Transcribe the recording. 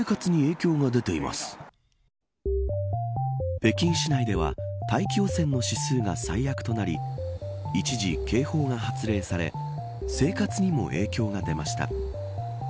北京市内では大気汚染の指数が最悪となり一時、警報が発令され生活にも影響が出ました。